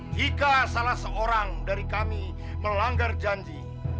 jika salah seorang dari kami melanggar janji